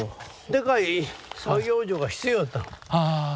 でかい作業所が必要やったの。